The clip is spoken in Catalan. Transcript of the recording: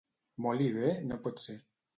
Molt i bé no pot ser.